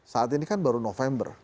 saat ini kan baru november